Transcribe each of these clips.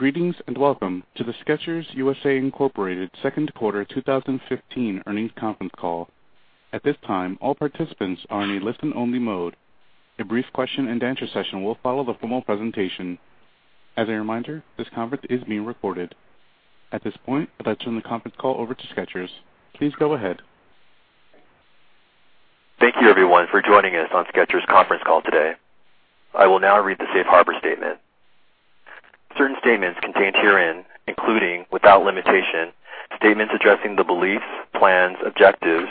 Greetings and welcome to the Skechers U.S.A. Incorporated second quarter 2015 earnings conference call. At this time, all participants are in a listen-only mode. A brief question and answer session will follow the formal presentation. As a reminder, this conference is being recorded. At this point, I'd like to turn the conference call over to Skechers. Please go ahead. Thank you, everyone, for joining us on Skechers' conference call today. I will now read the safe harbor statement. Certain statements contained herein, including, without limitation, statements addressing the beliefs, plans, objectives,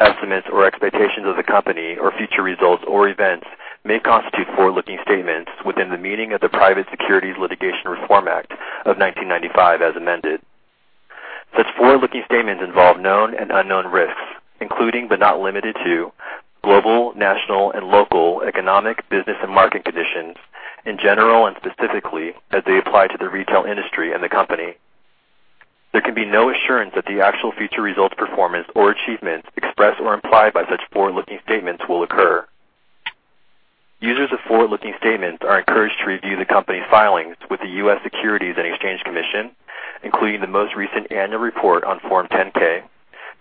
estimates, or expectations of the company or future results or events, may constitute forward-looking statements within the meaning of the Private Securities Litigation Reform Act of 1995 as amended. Such forward-looking statements involve known and unknown risks, including but not limited to global, national, and local economic, business, and market conditions, in general and specifically as they apply to the retail industry and the company. There can be no assurance that the actual future results, performance, or achievements expressed or implied by such forward-looking statements will occur. Users of forward-looking statements are encouraged to review the company's filings with the U.S. Securities and Exchange Commission, including the most recent annual report on Form 10-K,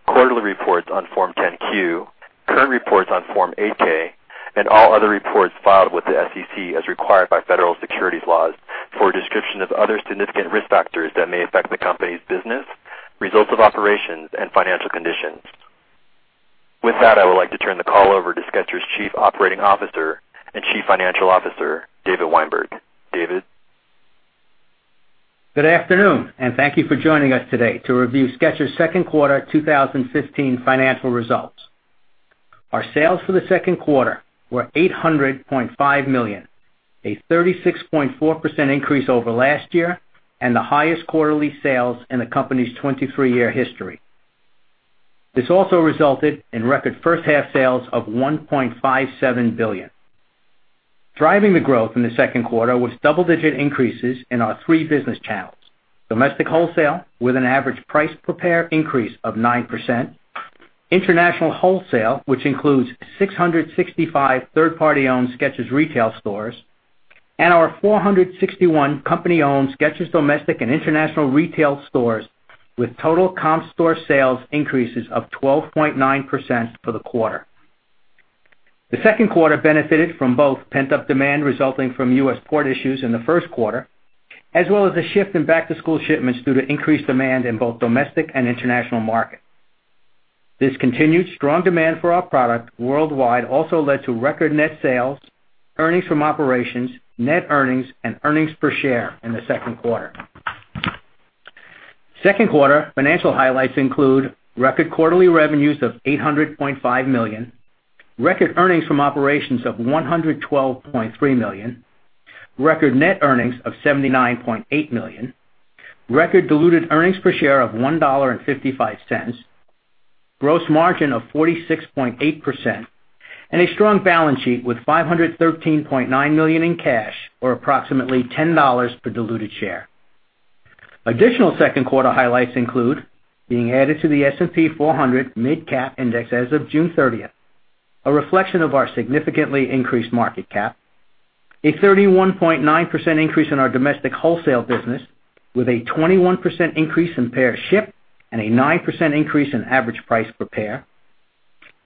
quarterly reports on Form 10-Q, current reports on Form 8-K, and all other reports filed with the SEC as required by federal securities laws for a description of other significant risk factors that may affect the company's business, results of operations, and financial conditions. With that, I would like to turn the call over to Skechers' Chief Operating Officer and Chief Financial Officer, David Weinberg. David? Good afternoon, and thank you for joining us today to review Skechers' second quarter 2015 financial results. Our sales for the second quarter were $800.5 million, a 36.4% increase over last year and the highest quarterly sales in the company's 23-year history. This also resulted in record first-half sales of $1.57 billion. Driving the growth in the second quarter was double-digit increases in our three business channels. Domestic wholesale, with an average price per pair increase of 9%, international wholesale, which includes 665 third-party owned Skechers retail stores, and our 461 company-owned Skechers domestic and international retail stores with total comp store sales increases of 12.9% for the quarter. The second quarter benefited from both pent-up demand resulting from U.S. port issues in the first quarter, as well as a shift in back-to-school shipments due to increased demand in both domestic and international markets. This continued strong demand for our product worldwide also led to record net sales, earnings from operations, net earnings, and earnings per share in the second quarter. Second quarter financial highlights include record quarterly revenues of $800.5 million, record earnings from operations of $112.3 million, record net earnings of $79.8 million, record diluted earnings per share of $1.55, gross margin of 46.8%, and a strong balance sheet with $513.9 million in cash, or approximately $10 per diluted share. Additional second-quarter highlights include being added to the S&P MidCap 400 Index as of June 30th, a reflection of our significantly increased market cap, a 31.9% increase in our domestic wholesale business with a 21% increase in pairs shipped and a 9% increase in average price per pair,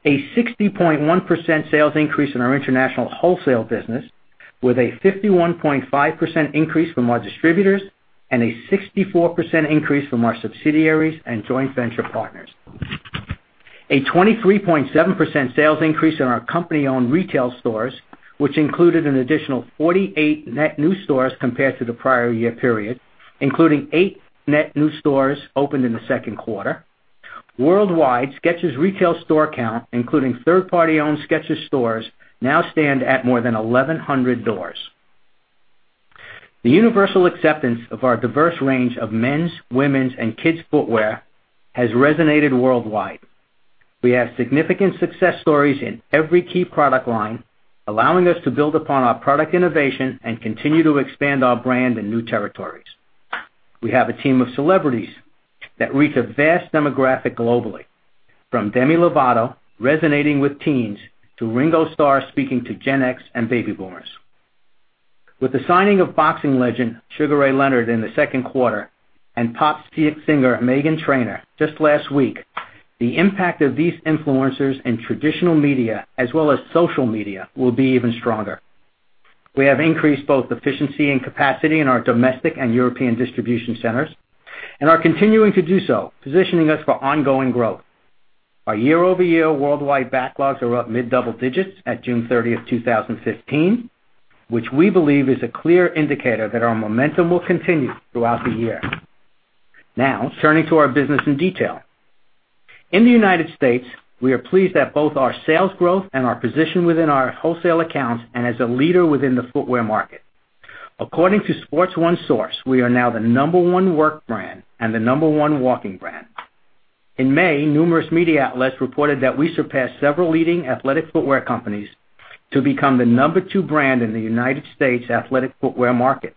a 60.1% sales increase in our international wholesale business with a 51.5% increase from our distributors and a 64% increase from our subsidiaries and joint venture partners. A 23.7% sales increase in our company-owned retail stores, which included an additional 48 net new stores compared to the prior year period, including eight net new stores opened in the second quarter. Worldwide, Skechers retail store count, including third-party owned Skechers stores, now stand at more than 1,100 doors. The universal acceptance of our diverse range of men's, women's, and kids footwear has resonated worldwide. We have significant success stories in every key product line, allowing us to build upon our product innovation and continue to expand our brand in new territories. We have a team of celebrities that reach a vast demographic globally, from Demi Lovato resonating with teens to Ringo Starr speaking to Gen X and baby boomers. With the signing of boxing legend Sugar Ray Leonard in the second quarter and pop singer Meghan Trainor just last week, the impact of these influencers in traditional media as well as social media will be even stronger. We have increased both efficiency and capacity in our domestic and European distribution centers and are continuing to do so, positioning us for ongoing growth. Our year-over-year worldwide backlogs are up mid-double digits at June 30th, 2015, which we believe is a clear indicator that our momentum will continue throughout the year. Turning to our business in detail. In the United States, we are pleased at both our sales growth and our position within our wholesale accounts and as a leader within the footwear market. According to SportsOneSource, we are now the number one work brand and the number one walking brand. In May, numerous media outlets reported that we surpassed several leading athletic footwear companies to become the number two brand in the United States athletic footwear market.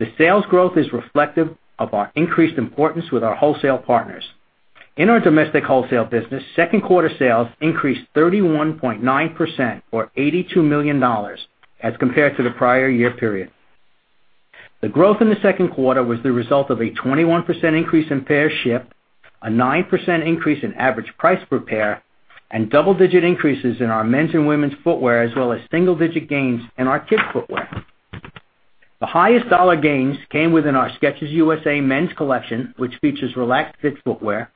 The sales growth is reflective of our increased importance with our wholesale partners. In our domestic wholesale business, second quarter sales increased 31.9%, or $82 million as compared to the prior year period. The growth in the second quarter was the result of a 21% increase in pairs shipped, a 9% increase in average price per pair, and double-digit increases in our men's and women's footwear, as well as single-digit gains in our kids footwear. The highest dollar gains came within our Skechers U.S.A. men's collection, which features Relaxed Fit footwear,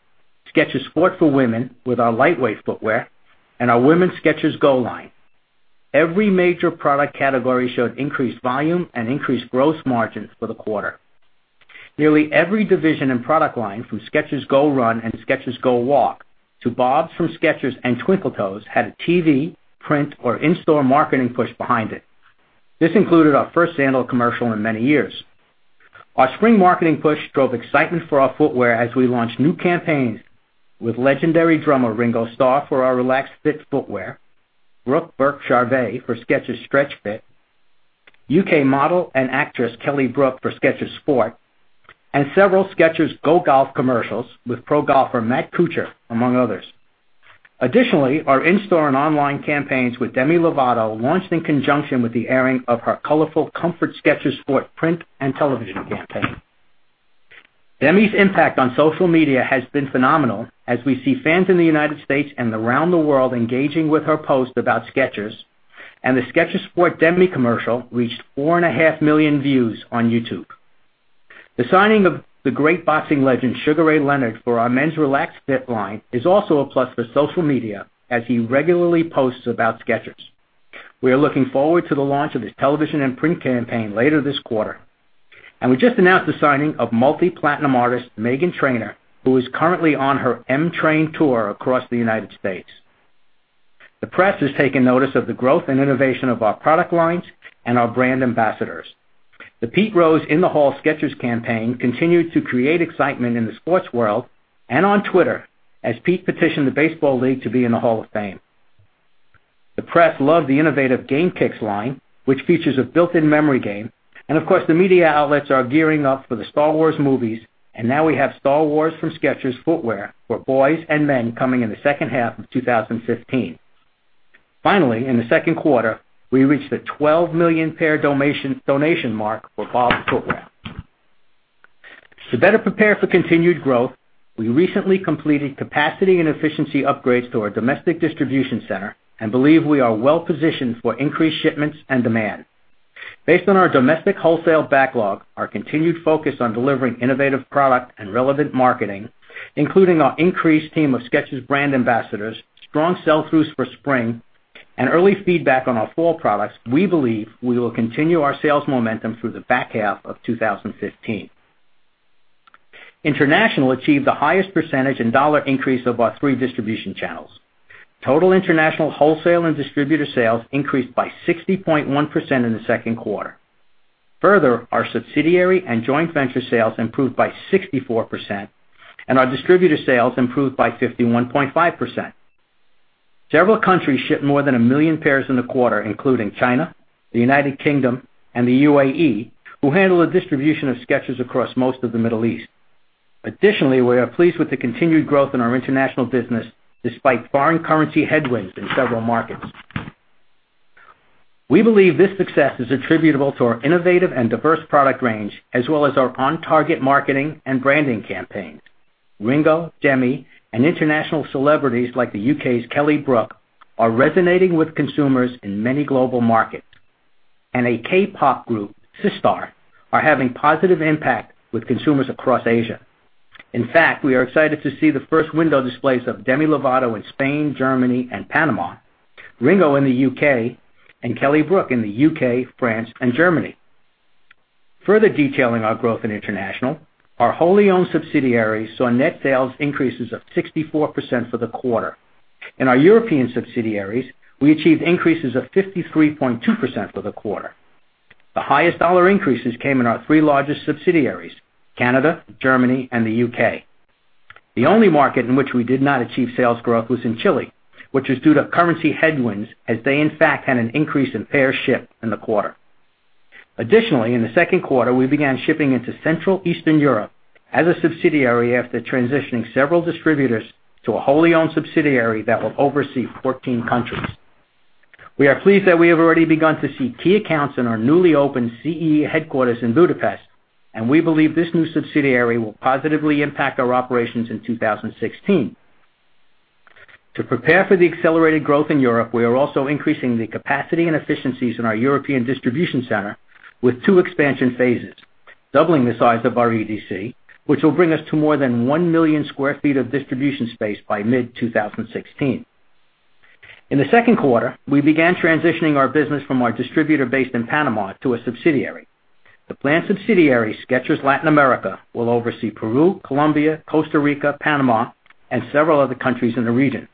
Skechers Sport for women with our lightweight footwear, and our women's Skechers GO line. Every major product category showed increased volume and increased gross margins for the quarter. Nearly every division and product line, from Skechers GO RUN and Skechers GO WALK to BOBS from Skechers and Twinkle Toes, had a TV, print, or in-store marketing push behind it. This included our first sandal commercial in many years. Our spring marketing push drove excitement for our footwear as we launched new campaigns with legendary drummer Ringo Starr for our Relaxed Fit footwear, Brooke Burke-Charvet for Skechers Stretch Fit, U.K. model and actress Kelly Brook for Skechers Sport, and several Skechers GO GOLF commercials with pro golfer Matt Kuchar, among others. Additionally, our in-store and online campaigns with Demi Lovato launched in conjunction with the airing of her colorful Comfort Skechers Sport print and television campaign. Demi's impact on social media has been phenomenal as we see fans in the United States and around the world engaging with her posts about Skechers, and the Skechers Sport Demi commercial reached 4.5 million views on YouTube. The signing of the great boxing legend Sugar Ray Leonard for our men's Relaxed Fit line is also a plus for social media, as he regularly posts about Skechers. We are looking forward to the launch of his television and print campaign later this quarter. We just announced the signing of multi-platinum artist Meghan Trainor, who is currently on her M Train Tour across the United States. The press has taken notice of the growth and innovation of our product lines and our brand ambassadors. The Pete Rose In the Hall Skechers campaign continued to create excitement in the sports world and on Twitter as Pete petitioned the Baseball League to be in the Hall of Fame. The press loved the innovative Game Kicks line, which features a built-in memory game. Of course, the media outlets are gearing up for the Star Wars movies, and now we have Star Wars from Skechers footwear for boys and men coming in the second half of 2015. Finally, in the second quarter, we reached the 12 million-pair donation mark for BOBS Footwear. To better prepare for continued growth, we recently completed capacity and efficiency upgrades to our domestic distribution center and believe we are well positioned for increased shipments and demand. Based on our domestic wholesale backlog, our continued focus on delivering innovative product and relevant marketing, including our increased team of Skechers brand ambassadors, strong sell-throughs for spring, and early feedback on our fall products, we believe we will continue our sales momentum through the back half of 2015. International achieved the highest percentage in dollar increase of our three distribution channels. Total international wholesale and distributor sales increased by 60.1% in the second quarter. Further, our subsidiary and joint venture sales improved by 64%, and our distributor sales improved by 51.5%. Several countries shipped more than 1 million pairs in the quarter, including China, the United Kingdom, and the U.A.E., who handle the distribution of Skechers across most of the Middle East. Additionally, we are pleased with the continued growth in our international business, despite foreign currency headwinds in several markets. We believe this success is attributable to our innovative and diverse product range as well as our on-target marketing and branding campaigns. Ringo, Demi, and international celebrities like the U.K.'s Kelly Brook are resonating with consumers in many global markets. A K-pop group, Sistar, are having positive impact with consumers across Asia. In fact, we are excited to see the first window displays of Demi Lovato in Spain, Germany, and Panama, Ringo in the U.K., and Kelly Brook in the U.K., France, and Germany. Further detailing our growth in international, our wholly owned subsidiaries saw net sales increases of 64% for the quarter. In our European subsidiaries, we achieved increases of 53.2% for the quarter. The highest dollar increases came in our three largest subsidiaries: Canada, Germany, and the U.K. The only market in which we did not achieve sales growth was in Chile, which was due to currency headwinds as they in fact had an increase in pairs shipped in the quarter. Additionally, in the second quarter, we began shipping into Central Eastern Europe as a subsidiary after transitioning several distributors to a wholly owned subsidiary that will oversee 14 countries. We are pleased that we have already begun to see key accounts in our newly opened CE headquarters in Budapest, and we believe this new subsidiary will positively impact our operations in 2016. To prepare for the accelerated growth in Europe, we are also increasing the capacity and efficiencies in our European distribution center with two expansion phases, doubling the size of our EDC, which will bring us to more than 1 million square feet of distribution space by mid-2016. In the second quarter, we began transitioning our business from our distributor based in Panama to a subsidiary. The planned subsidiary, Skechers Latin America, will oversee Peru, Colombia, Costa Rica, Panama, and several other countries in the region.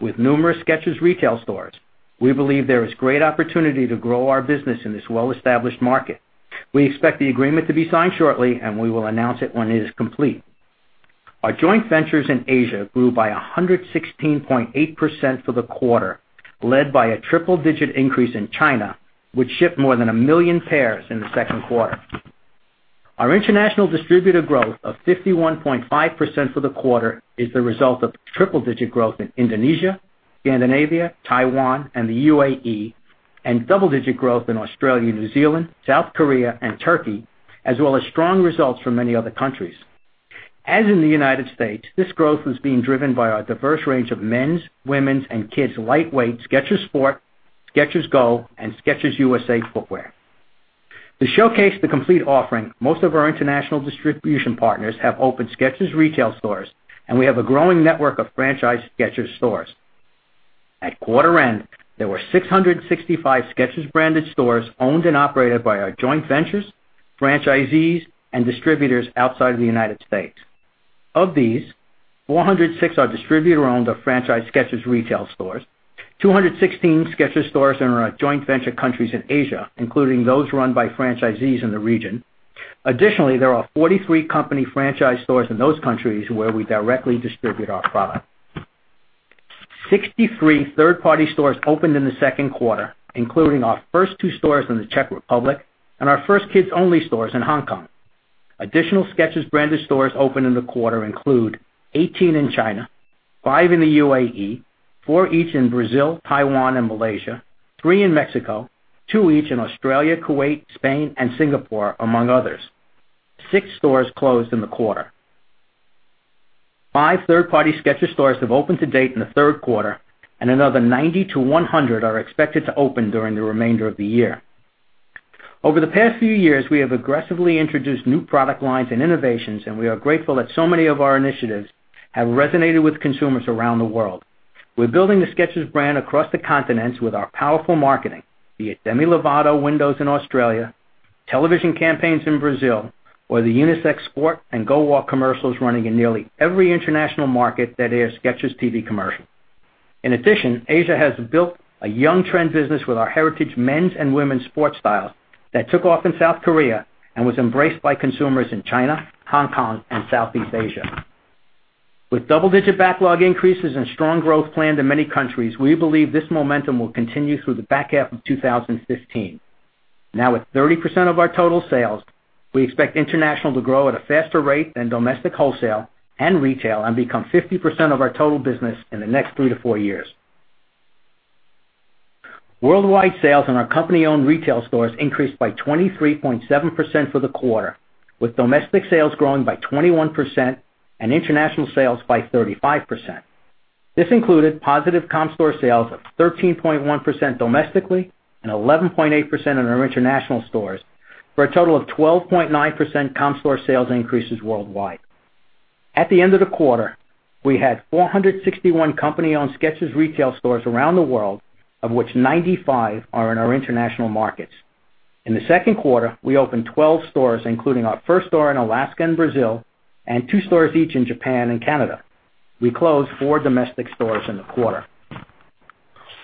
With numerous Skechers retail stores, we believe there is great opportunity to grow our business in this well-established market. We expect the agreement to be signed shortly, and we will announce it when it is complete. Our joint ventures in Asia grew by 116.8% for the quarter. Led by a triple-digit increase in China, which shipped more than 1 million pairs in the second quarter. Our international distributor growth of 51.5% for the quarter is the result of triple-digit growth in Indonesia, Scandinavia, Taiwan, and the U.A.E., and double-digit growth in Australia, New Zealand, South Korea, and Turkey, as well as strong results from many other countries. As in the United States, this growth was being driven by our diverse range of men's, women's, and kids' lightweight Skechers Sport, Skechers GO, and Skechers U.S.A. footwear. To showcase the complete offering, most of our international distribution partners have opened Skechers retail stores, and we have a growing network of franchise Skechers stores. At quarter end, there were 665 Skechers-branded stores owned and operated by our joint ventures, franchisees, and distributors outside of the United States. Of these, 406 are distributor-owned or franchise Skechers retail stores, 216 Skechers stores are in our joint venture countries in Asia, including those run by franchisees in the region. Additionally, there are 43 company franchise stores in those countries where we directly distribute our product. 63 third-party stores opened in the second quarter, including our first two stores in the Czech Republic and our first kids-only stores in Hong Kong. Additional Skechers-branded stores opened in the quarter include 18 in China, five in the UAE, four each in Brazil, Taiwan, and Malaysia, three in Mexico, two each in Australia, Kuwait, Spain, and Singapore, among others. Six stores closed in the quarter. Five third-party Skechers stores have opened to date in the third quarter, another 90-100 are expected to open during the remainder of the year. Over the past few years, we have aggressively introduced new product lines and innovations, we are grateful that so many of our initiatives have resonated with consumers around the world. We're building the Skechers brand across the continents with our powerful marketing, be it Demi Lovato windows in Australia, television campaigns in Brazil, or the unisex Sport and GO WALK commercials running in nearly every international market that air Skechers TV commercials. Asia has built a young trend business with our heritage men's and women's sports styles that took off in South Korea and was embraced by consumers in China, Hong Kong, and Southeast Asia. With double-digit backlog increases and strong growth planned in many countries, we believe this momentum will continue through the back half of 2015. With 30% of our total sales, we expect international to grow at a faster rate than domestic wholesale and retail and become 50% of our total business in the next three to four years. Worldwide sales in our company-owned retail stores increased by 23.7% for the quarter, with domestic sales growing by 21% and international sales by 35%. This included positive comp store sales of 13.1% domestically and 11.8% in our international stores, for a total of 12.9% comp store sales increases worldwide. At the end of the quarter, we had 461 company-owned Skechers retail stores around the world, of which 95 are in our international markets. In the second quarter, we opened 12 stores, including our first store in Alaska and Brazil and two stores each in Japan and Canada. We closed four domestic stores in the quarter.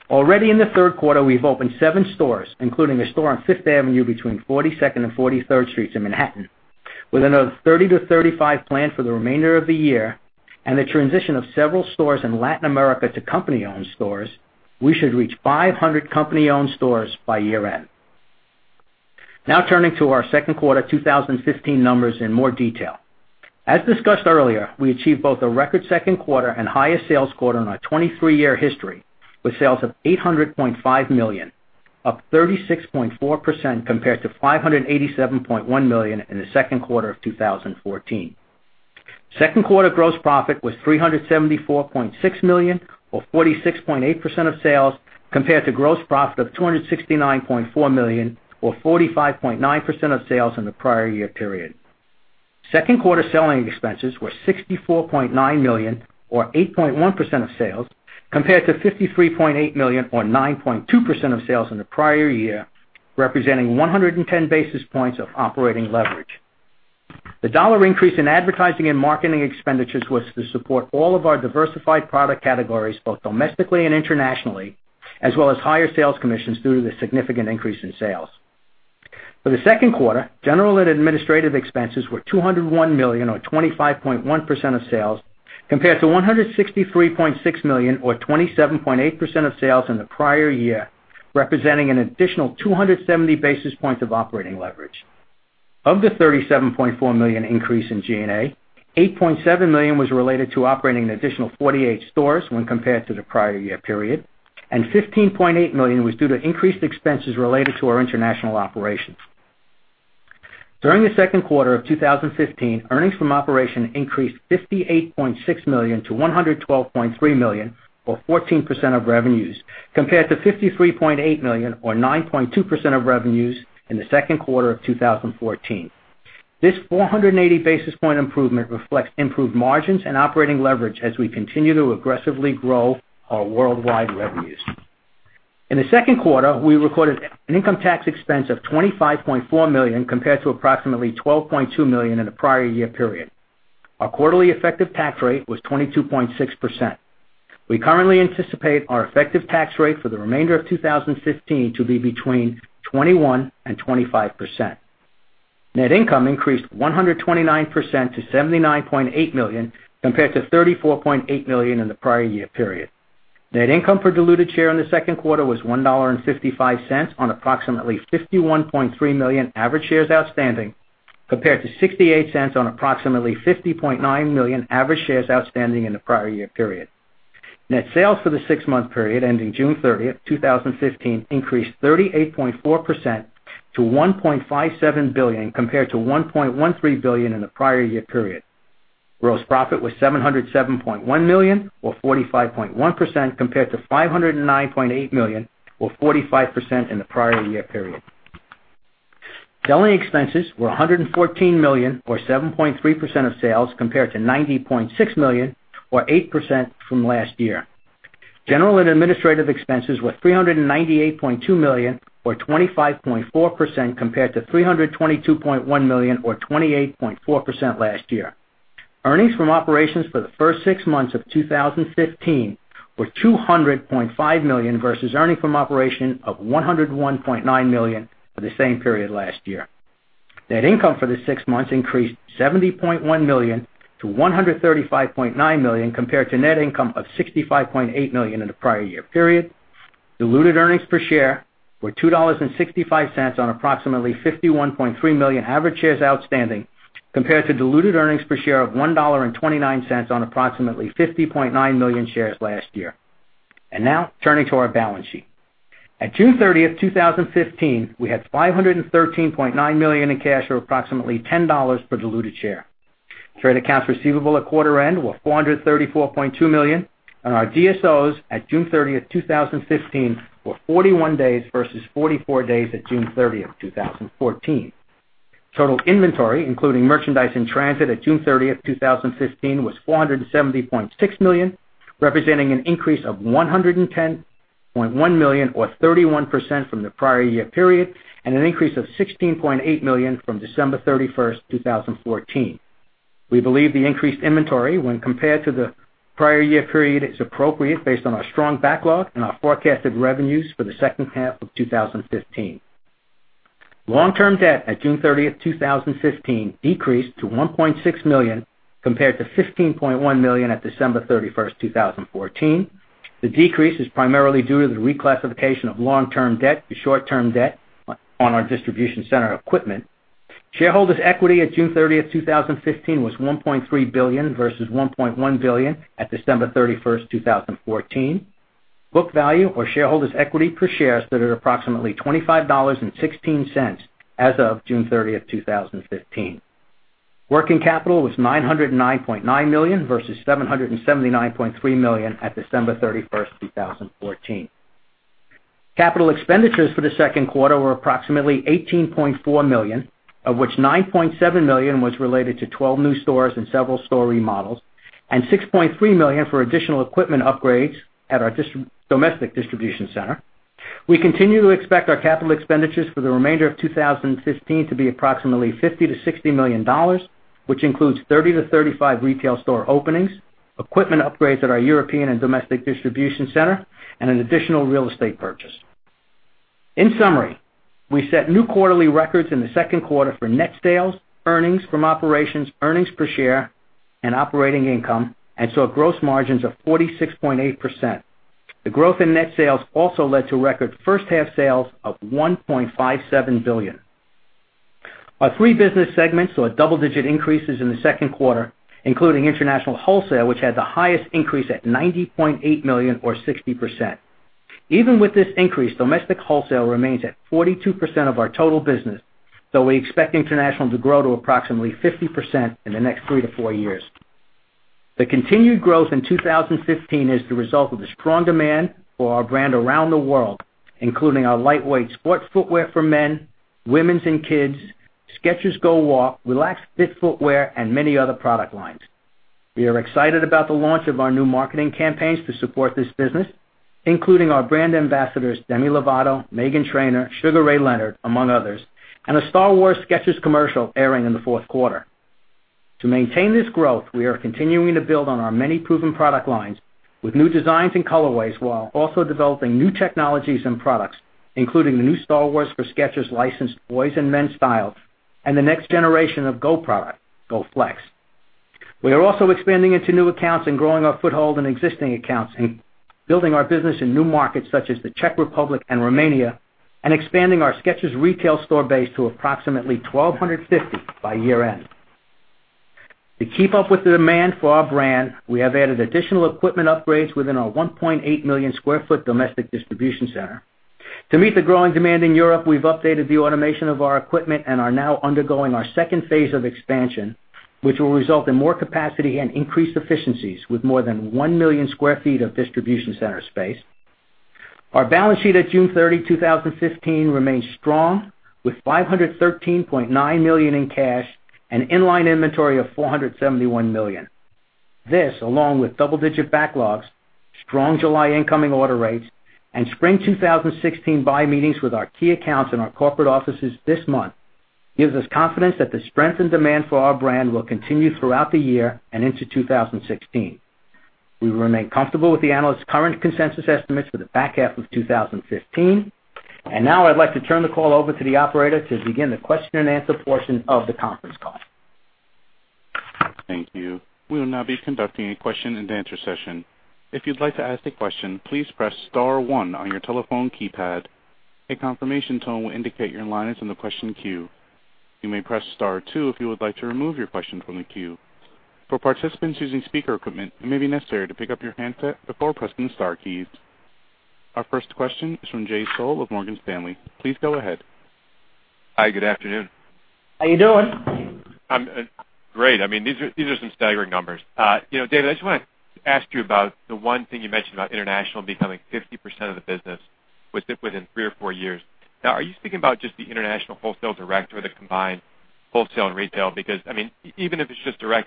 Already in the third quarter, we've opened seven stores, including a store on Fifth Avenue between 42nd and 43rd streets in Manhattan. With another 30-35 planned for the remainder of the year and the transition of several stores in Latin America to company-owned stores, we should reach 500 company-owned stores by year end. Turning to our second quarter 2015 numbers in more detail. As discussed earlier, we achieved both a record second quarter and highest sales quarter in our 23-year history with sales of $800.5 million, up 36.4% compared to $587.1 million in the second quarter of 2014. Second quarter gross profit was $374.6 million or 46.8% of sales, compared to gross profit of $269.4 million or 45.9% of sales in the prior year period. Second quarter selling expenses were $64.9 million or 8.1% of sales, compared to $53.8 million or 9.2% of sales in the prior year, representing 110 basis points of operating leverage. The dollar increase in advertising and marketing expenditures was to support all of our diversified product categories, both domestically and internationally, as well as higher sales commissions due to the significant increase in sales. For the second quarter, general and administrative expenses were $201 million or 25.1% of sales, compared to $163.6 million or 27.8% of sales in the prior year, representing an additional 270 basis points of operating leverage. Of the $37.4 million increase in G&A, $8.7 million was related to operating an additional 48 stores when compared to the prior year period, and $15.8 million was due to increased expenses related to our international operations. During the second quarter of 2015, earnings from operations increased $58.6 million to $112.3 million, or 14% of revenues, compared to $53.8 million or 9.2% of revenues in the second quarter of 2014. This 480 basis point improvement reflects improved margins and operating leverage as we continue to aggressively grow our worldwide revenues. In the second quarter, we recorded an income tax expense of $25.4 million, compared to approximately $12.2 million in the prior year period. Our quarterly effective tax rate was 22.6%. We currently anticipate our effective tax rate for the remainder of 2015 to be between 21% and 25%. Net income increased 129% to $79.8 million, compared to $34.8 million in the prior year period. Net income per diluted share in the second quarter was $1.55 on approximately 51.3 million average shares outstanding, compared to $0.68 on approximately 50.9 million average shares outstanding in the prior year period. Net sales for the six-month period ending June 30, 2015, increased 38.4% to $1.57 billion compared to $1.13 billion in the prior year period. Gross profit was $707.1 million or 45.1%, compared to $509.8 million or 45% in the prior year period. Selling expenses were $114 million or 7.3% of sales, compared to $90.6 million or 8% from last year. General and administrative expenses were $398.2 million or 25.4%, compared to $322.1 million or 28.4% last year. Earnings from operations for the first six months of 2015 were $200.5 million versus earnings from operations of $101.9 million for the same period last year. Net income for the six months increased $70.1 million to $135.9 million compared to net income of $65.8 million in the prior year period. Diluted earnings per share were $2.65 on approximately 51.3 million average shares outstanding, compared to diluted earnings per share of $1.29 on approximately 50.9 million shares last year. Now turning to our balance sheet. At June 30, 2015, we had $513.9 million in cash or approximately $10 per diluted share. Trade accounts receivable at quarter end were $434.2 million and our DSOs at June 30, 2015, were 41 days versus 44 days at June 30, 2014. Total inventory, including merchandise in transit at June 30, 2015, was $470.6 million, representing an increase of $110.1 million or 31% from the prior year period, and an increase of $16.8 million from December 31, 2014. We believe the increased inventory when compared to the prior year period is appropriate based on our strong backlog and our forecasted revenues for the second half of 2015. Long-term debt at June 30, 2015, decreased to $1.6 million compared to $15.1 million at December 31, 2014. The decrease is primarily due to the reclassification of long-term debt to short-term debt on our distribution center equipment. Shareholders' equity at June 30th, 2015, was $1.3 billion versus $1.1 billion at December 31st, 2014. Book value or shareholders' equity per share stood at approximately $25.16 as of June 30th, 2015. Working capital was $909.9 million versus $779.3 million at December 31st, 2014. Capital expenditures for the second quarter were approximately $18.4 million, of which $9.7 million was related to 12 new stores and several store remodels, and $6.3 million for additional equipment upgrades at our domestic distribution center. We continue to expect our capital expenditures for the remainder of 2015 to be approximately $50 million-$60 million, which includes 30-35 retail store openings, equipment upgrades at our European and domestic distribution center, and an additional real estate purchase. In summary, we set new quarterly records in the second quarter for net sales, earnings from operations, earnings per share and operating income and saw gross margins of 46.8%. The growth in net sales also led to record first half sales of $1.57 billion. Our three business segments saw double-digit increases in the second quarter, including international wholesale, which had the highest increase at $90.8 million or 60%. Even with this increase, domestic wholesale remains at 42% of our total business, though we expect international to grow to approximately 50% in the next three to four years. The continued growth in 2015 is the result of the strong demand for our brand around the world, including our lightweight sports footwear for men, women's and kids', Skechers GO WALK, Relaxed Fit footwear and many other product lines. We are excited about the launch of our new marketing campaigns to support this business, including our brand ambassadors, Demi Lovato, Meghan Trainor, Sugar Ray Leonard, among others, and a Star Wars Skechers commercial airing in the fourth quarter. To maintain this growth, we are continuing to build on our many proven product lines with new designs and colorways, while also developing new technologies and products, including the new Star Wars from Skechers licensed boys and men's styles, and the next generation of Go product, Skechers GO FLEX. We are also expanding into new accounts and growing our foothold in existing accounts and building our business in new markets such as the Czech Republic and Romania, and expanding our Skechers retail store base to approximately 1,250 by year-end. To keep up with the demand for our brand, we have added additional equipment upgrades within our 1.8 million sq ft domestic distribution center. To meet the growing demand in Europe, we've updated the automation of our equipment and are now undergoing our second phase of expansion, which will result in more capacity and increased efficiencies with more than 1 million sq ft of distribution center space. Our balance sheet at June 30, 2015, remains strong with $513.9 million in cash and in-line inventory of $471 million. This, along with double-digit backlogs, strong July incoming order rates and Spring 2016 buy meetings with our key accounts in our corporate offices this month, gives us confidence that the strength and demand for our brand will continue throughout the year and into 2016. We remain comfortable with the analysts' current consensus estimates for the back half of 2015. Now I'd like to turn the call over to the operator to begin the question and answer portion of the conference call. Thank you. We will now be conducting a question and answer session. If you'd like to ask a question, please press *1 on your telephone keypad. A confirmation tone will indicate your line is in the question queue. You may press *2 if you would like to remove your question from the queue. For participants using speaker equipment, it may be necessary to pick up your handset before pressing the star keys. Our first question is from Jay Sole with Morgan Stanley. Please go ahead. Hi, good afternoon. How you doing? I'm great. These are some staggering numbers. David, I just want to ask you about the one thing you mentioned about international becoming 50% of the business within three or four years. Are you speaking about just the international wholesale direct or the combined wholesale and retail? Because, even if it's just direct,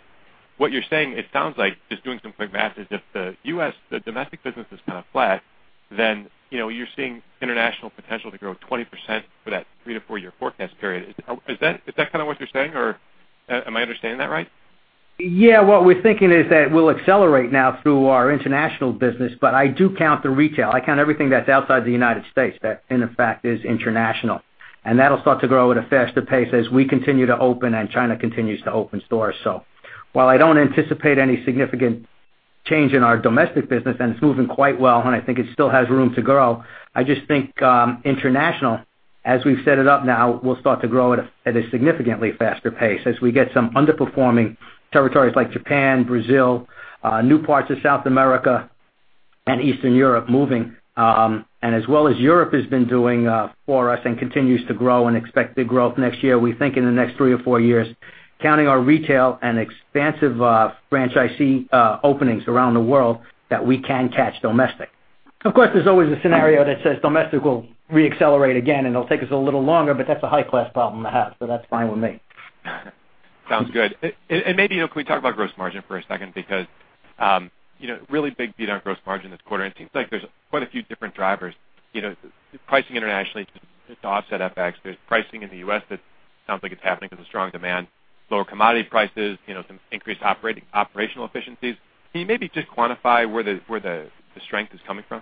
what you're saying, it sounds like, just doing some quick math, is if the U.S., the domestic business is kind of flat, you're seeing international potential to grow 20% for that three to four year forecast period. Is that kind of what you're saying, or am I understanding that right? Yeah, what we're thinking is that we'll accelerate now through our international business. I do count the retail. I count everything that's outside the United States, that in effect, is international. That'll start to grow at a faster pace as we continue to open and China continues to open stores. While I don't anticipate any significant change in our domestic business, and it's moving quite well, and I think it still has room to grow, I just think, international, as we've set it up now, will start to grow at a significantly faster pace as we get some underperforming territories like Japan, Brazil, new parts of South America and Eastern Europe moving. As well as Europe has been doing for us and continues to grow and expect big growth next year. We think in the next three or four years, counting our retail and expansive franchisee openings around the world, that we can catch domestic. Of course, there's always a scenario that says domestic will re-accelerate again, and it'll take us a little longer, that's a high-class problem to have, so that's fine with me. Sounds good. Maybe, can we talk about gross margin for a second? Really big beat on gross margin this quarter, and it seems like there's quite a few different drivers. Pricing internationally to offset FX, there's pricing in the U.S. that sounds like it's happening because of strong demand, lower commodity prices, some increased operational efficiencies. Can you maybe just quantify where the strength is coming from?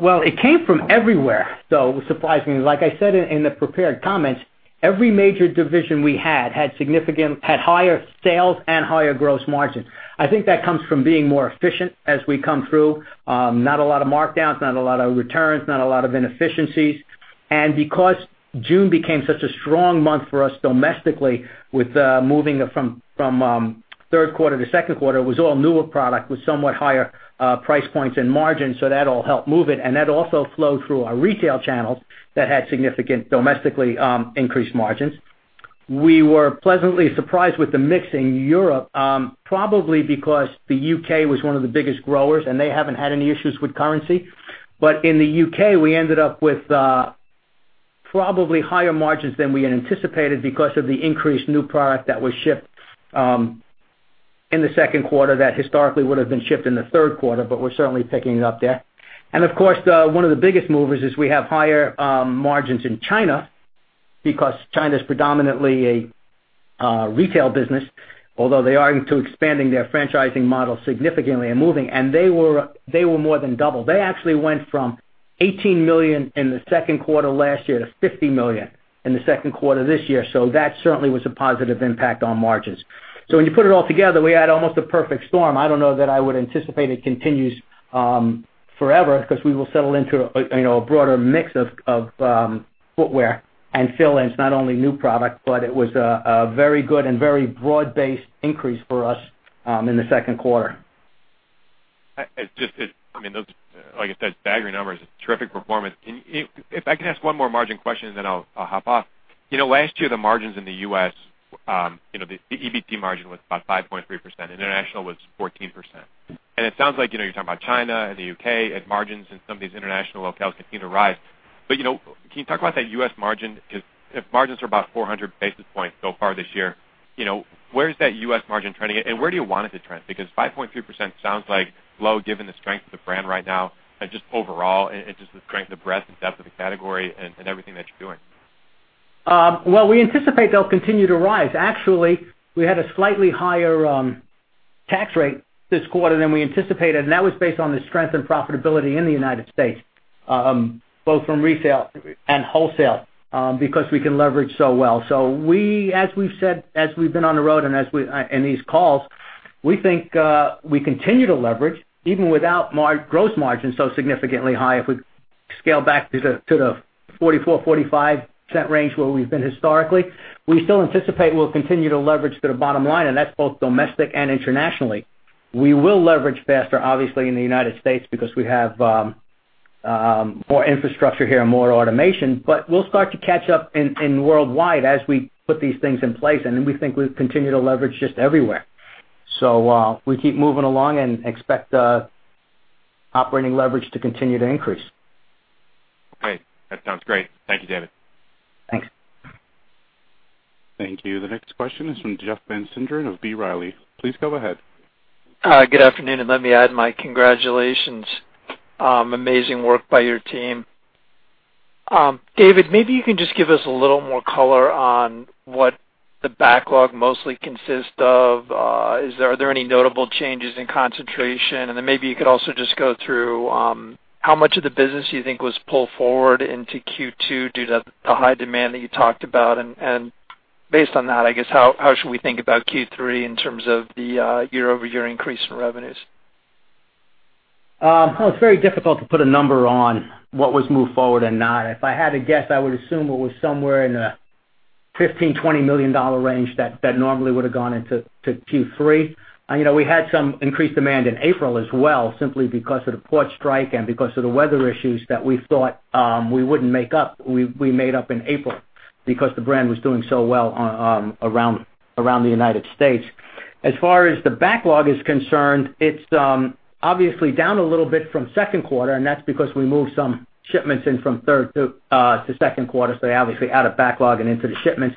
Well, it came from everywhere, though, surprisingly. Like I said in the prepared comments, every major division we had higher sales and higher gross margin. I think that comes from being more efficient as we come through. Not a lot of markdowns, not a lot of returns, not a lot of inefficiencies. Because June became such a strong month for us domestically with moving it from third quarter to second quarter, it was all newer product with somewhat higher price points and margin, so that all helped move it. That also flowed through our retail channels that had significant domestically increased margins. We were pleasantly surprised with the mix in Europe, probably because the U.K. was one of the biggest growers, and they haven't had any issues with currency. In the U.K., we ended up with probably higher margins than we had anticipated because of the increased new product that was shipped in the second quarter that historically would've been shipped in the third quarter, but we're certainly picking it up there. Of course, one of the biggest movers is we have higher margins in China because China's predominantly a retail business, although they are into expanding their franchising model significantly and moving. They were more than double. They actually went from $18 million in the second quarter last year to $50 million in the second quarter this year. That certainly was a positive impact on margins. When you put it all together, we had almost a perfect storm. I don't know that I would anticipate it continues forever because we will settle into a broader mix of footwear and fill-ins, not only new product, but it was a very good and very broad-based increase for us in the second quarter. Those, like I said, staggering numbers. It's terrific performance. If I could ask one more margin question, then I'll hop off. Last year, the margins in the U.S., the EBT margin was about 5.3%, international was 14%. It sounds like, you're talking about China and the U.K., and margins in some of these international locales continue to rise. Can you talk about that U.S. margin? If margins are about 400 basis points so far this year, where is that U.S. margin trending, and where do you want it to trend? 5.3% sounds low given the strength of the brand right now and just overall and just the strength, the breadth and depth of the category and everything that you're doing. Well, we anticipate they'll continue to rise. Actually, we had a slightly higher tax rate this quarter than we anticipated, and that was based on the strength and profitability in the United States, both from retail and wholesale, because we can leverage so well. As we've said, as we've been on the road and in these calls, we think we continue to leverage even without gross margin so significantly high. If we scale back to the 44%-45% range where we've been historically, we still anticipate we'll continue to leverage to the bottom line, and that's both domestic and internationally. We will leverage faster, obviously, in the United States because we have more infrastructure here and more automation, but we'll start to catch up in worldwide as we put these things in place. We think we'll continue to leverage just everywhere. We keep moving along and expect operating leverage to continue to increase. Great. That sounds great. Thank you, David. Thanks. Thank you. The next question is from Jeff Van Sinderen of B. Riley. Please go ahead. Good afternoon, and let me add my congratulations. Amazing work by your team. David, maybe you can just give us a little more color on what the backlog mostly consists of. Are there any notable changes in concentration? Maybe you could also just go through, how much of the business you think was pulled forward into Q2 due to the high demand that you talked about. Based on that, I guess, how should we think about Q3 in terms of the year-over-year increase in revenues? Well, it's very difficult to put a number on what was moved forward and not. If I had to guess, I would assume it was somewhere in the $15 million-$20 million range that normally would have gone into Q3. We had some increased demand in April as well, simply because of the port strike and because of the weather issues that we thought we wouldn't make up, we made up in April because the brand was doing so well around the U.S. As far as the backlog is concerned, it's obviously down a little bit from second quarter, and that's because we moved some shipments in from third to second quarter, so they obviously out of backlog and into the shipments.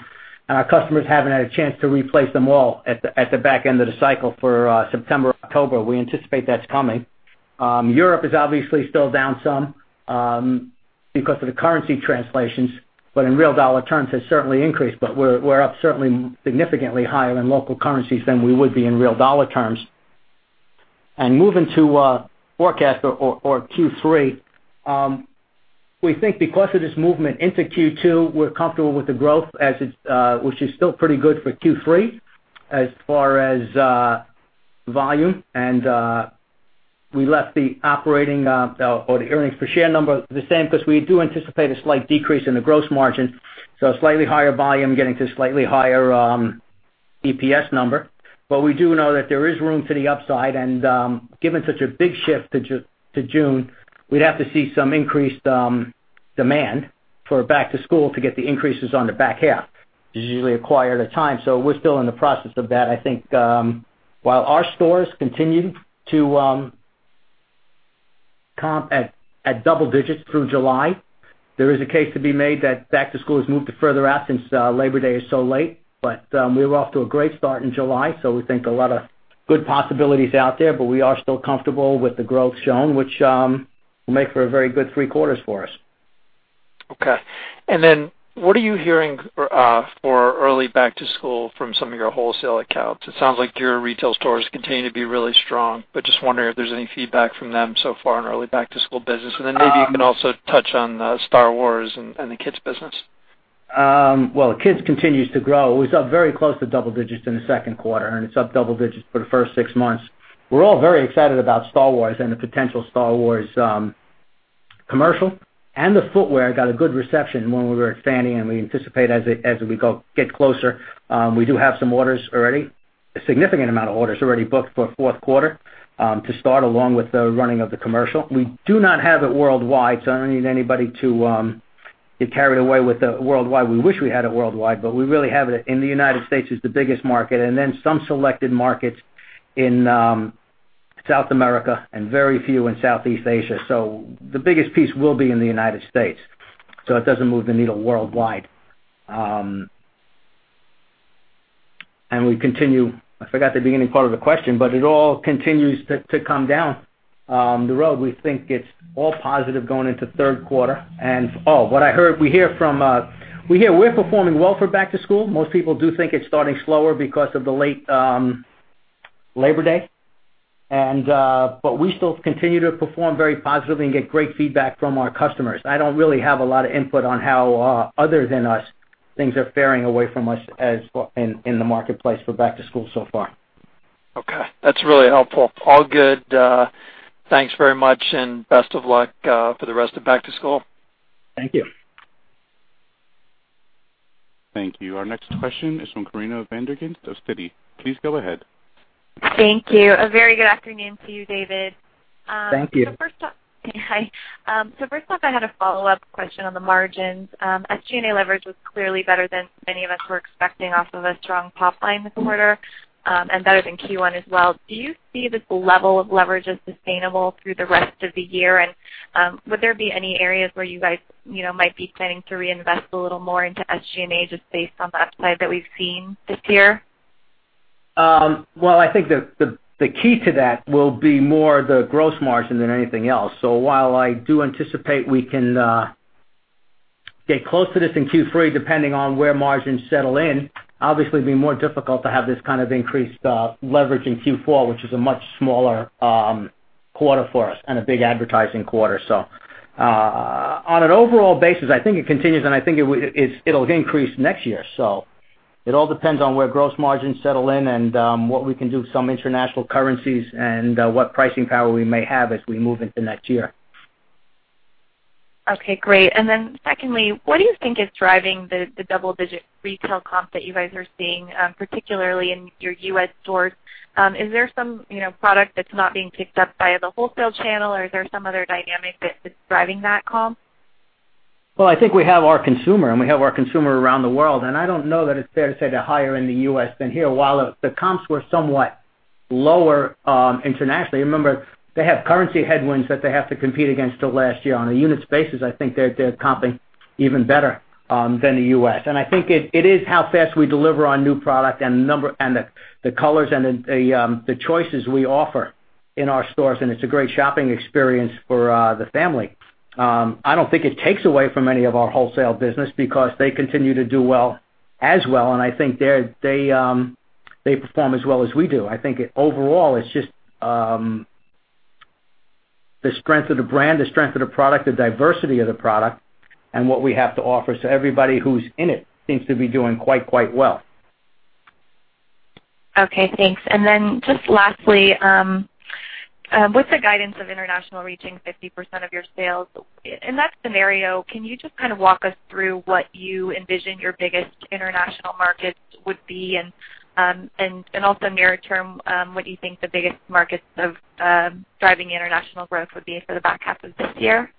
Our customers haven't had a chance to replace them all at the back end of the cycle for September, October. We anticipate that's coming. Europe is obviously still down some, because of the currency translations, but in real dollar terms, it's certainly increased. We're up certainly significantly higher in local currencies than we would be in real dollar terms. Moving to forecast or Q3, we think because of this movement into Q2, we're comfortable with the growth, which is still pretty good for Q3 as far as volume. We left the operating or the earnings per share number the same because we do anticipate a slight decrease in the gross margin. Slightly higher volume getting to slightly higher EPS number. We do know that there is room for the upside, and given such a big shift to June, we'd have to see some increased demand for back to school to get the increases on the back half, which is usually acquired at time. We're still in the process of that. I think, while our stores continue to comp at double digits through July, there is a case to be made that back to school has moved to further out since Labor Day is so late. We were off to a great start in July, so we think a lot of good possibilities out there, but we are still comfortable with the growth shown, which will make for a very good three quarters for us. Okay. What are you hearing for early back to school from some of your wholesale accounts? It sounds like your retail stores continue to be really strong, but just wondering if there's any feedback from them so far in early back to school business. Maybe you can also touch on Star Wars and the Kids business. Well, Kids continues to grow. It was up very close to double digits in the second quarter, and it's up double digits for the first 6 months. We're all very excited about Star Wars and the potential Star Wars commercial. The footwear got a good reception when we were at FFANY, and we anticipate as we get closer. We do have some orders already, a significant amount of orders already booked for fourth quarter, to start along with the running of the commercial. We do not have it worldwide, so I don't need anybody to get carried away with the worldwide. We wish we had it worldwide, but we really have it in the United States as the biggest market, and then some selected markets in South America and very few in Southeast Asia. The biggest piece will be in the United States. It doesn't move the needle worldwide. We continue. I forgot the beginning part of the question, but it all continues to come down the road. We think it's all positive going into third quarter. Oh, what I heard, we hear we're performing well for back to school. Most people do think it's starting slower because of the late Labor Day. We still continue to perform very positively and get great feedback from our customers. I don't really have a lot of input on how others than us things are faring away from us in the marketplace for back to school so far. Okay. That's really helpful. All good. Thanks very much and best of luck for the rest of back to school. Thank you. Thank you. Our next question is from Corinna van der Ghinst of Citi. Please go ahead. Thank you. A very good afternoon to you, David. Thank you. Hi. First off, I had a follow-up question on the margins. SG&A leverage was clearly better than many of us were expecting off of a strong top line this quarter, and better than Q1 as well. Do you see this level of leverage as sustainable through the rest of the year? Would there be any areas where you guys might be planning to reinvest a little more into SG&A, just based on the upside that we've seen this year? Well, I think the key to that will be more the gross margin than anything else. While I do anticipate we can get close to this in Q3, depending on where margins settle in, obviously it'd be more difficult to have this kind of increased leverage in Q4, which is a much smaller quarter for us and a big advertising quarter. On an overall basis, I think it continues, and I think it'll increase next year. It all depends on where gross margins settle in and what we can do with some international currencies and what pricing power we may have as we move into next year. Okay, great. Secondly, what do you think is driving the double-digit retail comp that you guys are seeing, particularly in your U.S. stores? Is there some product that's not being picked up by the wholesale channel, or is there some other dynamic that's driving that comp? Well, I think we have our consumer, and we have our consumer around the world, and I don't know that it's fair to say they're higher in the U.S. than here. While the comps were somewhat lower internationally, remember, they have currency headwinds that they have to compete against till last year. On a unit basis, I think they're comping even better than the U.S. I think it is how fast we deliver on new product and the colors and the choices we offer. In our stores, and it's a great shopping experience for the family. I don't think it takes away from any of our wholesale business because they continue to do well as well, and I think they perform as well as we do. I think overall, it's just the strength of the brand, the strength of the product, the diversity of the product, and what we have to offer. Everybody who's in it seems to be doing quite well. Okay, thanks. Just lastly, with the guidance of international reaching 50% of your sales. In that scenario, can you just kind of walk us through what you envision your biggest international markets would be? Near term, what do you think the biggest markets of driving international growth would be for the back half of this year?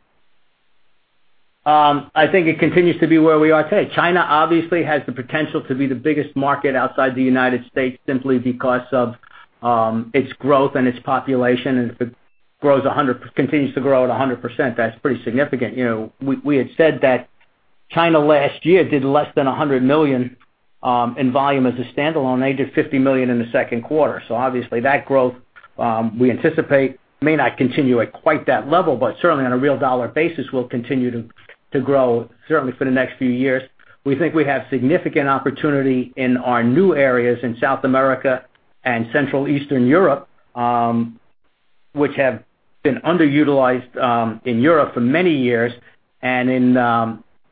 I think it continues to be where we are today. China obviously has the potential to be the biggest market outside the United States simply because of its growth and its population, and if it continues to grow at 100%, that's pretty significant. We had said that China last year did less than $100 million in volume as a standalone. They did $50 million in the second quarter. Obviously that growth, we anticipate may not continue at quite that level, but certainly on a real dollar basis will continue to grow certainly for the next few years. We think we have significant opportunity in our new areas in South America and Central Eastern Europe, which have been underutilized in Europe for many years and in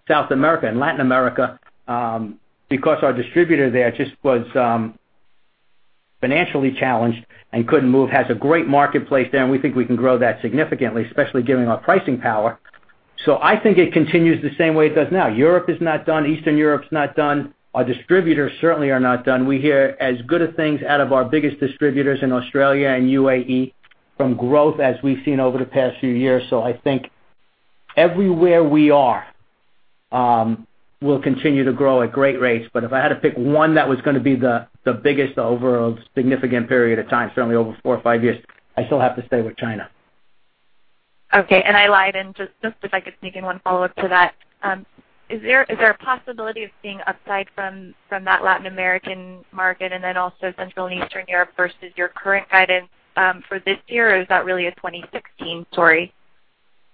South America and Latin America, because our distributor there just was financially challenged and couldn't move, has a great marketplace there, and we think we can grow that significantly, especially given our pricing power. I think it continues the same way it does now. Europe is not done. Eastern Europe is not done. Our distributors certainly are not done. We hear as good of things out of our biggest distributors in Australia and UAE from growth as we've seen over the past few years. I think everywhere we are will continue to grow at great rates. If I had to pick one that was going to be the biggest over a significant period of time, certainly over four or five years, I still have to stay with China. Okay. I lied, and just if I could sneak in one follow-up to that. Is there a possibility of seeing upside from that Latin American market and also Central and Eastern Europe versus your current guidance for this year? Or is that really a 2016 story?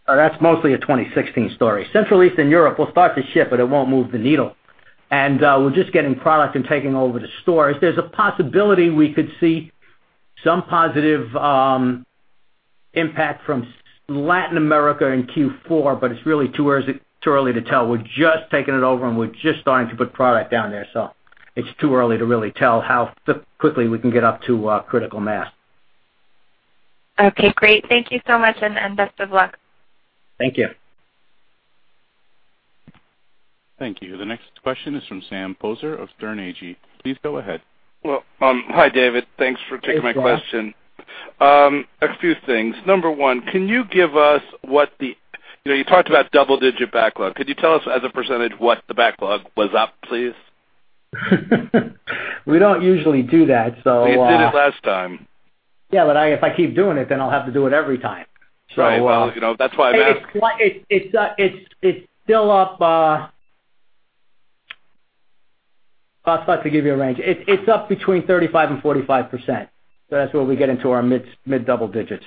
That's mostly a 2016 story. Central Eastern Europe will start to ship, but it won't move the needle. We're just getting product and taking over the stores. There's a possibility we could see some positive impact from Latin America in Q4, but it's really too early to tell. We're just taking it over, and we're just starting to put product down there. It's too early to really tell how quickly we can get up to critical mass. Okay, great. Thank you so much, and best of luck. Thank you. Thank you. The next question is from Sam Poser of Sterne Agee. Please go ahead. Well, hi, David. Thanks for taking my question. Hey, Sam. A few things. Number 1, you talked about double-digit backlog. Could you tell us as a % what the backlog was up, please? We don't usually do that. Well, you did it last time. Yeah, I guess if I keep doing it, I'll have to do it every time. Right. Well, that's why I'm asking It's still up. I'll start to give you a range. It's up between 35% and 45%, that's where we get into our mid double digits.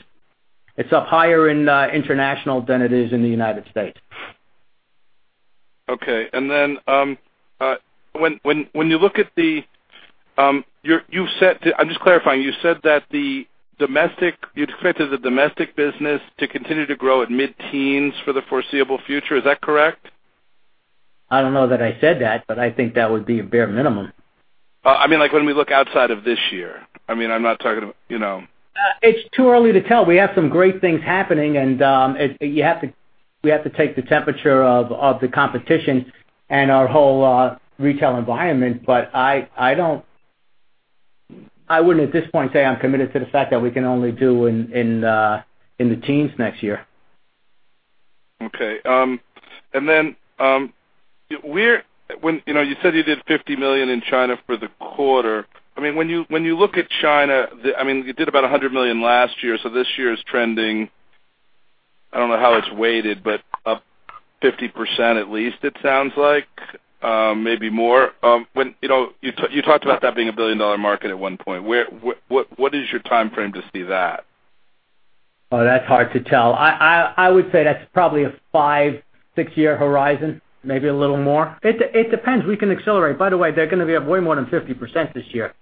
It's up higher in international than it is in the United States. Okay. I'm just clarifying, you said that you'd expected the domestic business to continue to grow at mid-teens for the foreseeable future. Is that correct? I don't know that I said that, I think that would be a bare minimum. When we look outside of this year. I'm not talking about. It's too early to tell. We have some great things happening, and we have to take the temperature of the competition and our whole retail environment. I wouldn't, at this point, say I'm committed to the fact that we can only do in the teens next year. Okay. Then, you said you did $50 million in China for the quarter. When you look at China, you did about $100 million last year. This year is trending, I don't know how it's weighted, but up 50% at least, it sounds like. Maybe more. You talked about that being a billion-dollar market at one point. What is your timeframe to see that? That's hard to tell. I would say that's probably a five, six-year horizon, maybe a little more. It depends. We can accelerate. By the way, they're going to be up way more than 50% this year.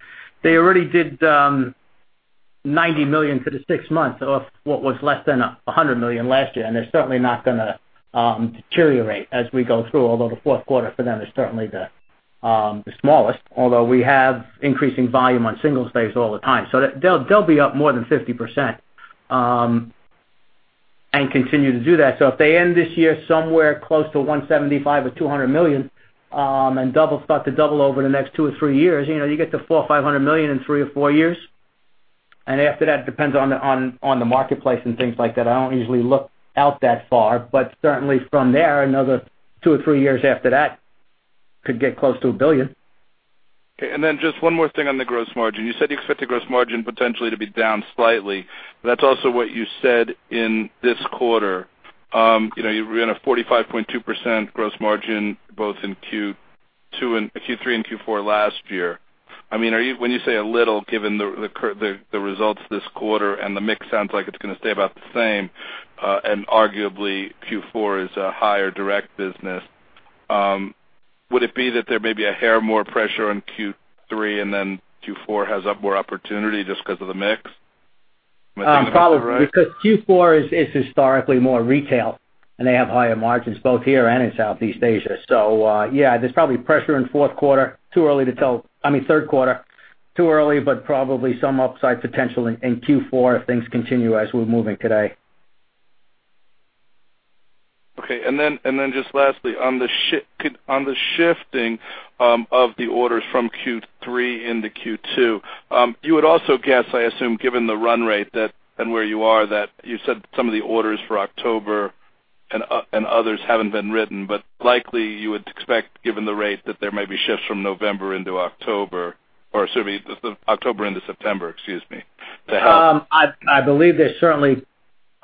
They already did $90 million for the six months of what was less than $100 million last year, and they're certainly not going to deteriorate as we go through, although the fourth quarter for them is certainly the smallest. Although we have increasing volume on Singles Day all the time. They'll be up more than 50%, and continue to do that. If they end this year somewhere close to $175 million or $200 million, and start to double over the next two or three years, you get to $400 million or $500 million in three or four years. After that, it depends on the marketplace and things like that. I don't usually look out that far, but certainly from there, another two or three years after that could get close to $1 billion. Just one more thing on the gross margin. You said you expect the gross margin potentially to be down slightly. That's also what you said in this quarter. You ran a 45.2% gross margin both in Q3 and Q4 last year. When you say a little, given the results this quarter and the mix sounds like it's going to stay about the same, and arguably Q4 is a higher direct business, would it be that there may be a hair more pressure on Q3 and then Q4 has more opportunity just because of the mix? Am I thinking about that right? Probably. Q4 is historically more retail, and they have higher margins both here and in Southeast Asia. Yeah, there's probably pressure in third quarter. Too early, but probably some upside potential in Q4 if things continue as we're moving today. Just lastly, on the shifting of the orders from Q3 into Q2, you would also guess, I assume, given the run rate and where you are, that you said some of the orders for October and others haven't been written, but likely you would expect, given the rate, that there may be shifts from October into September. I believe there's certainly